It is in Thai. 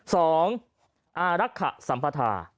สองอารัคสัมปทา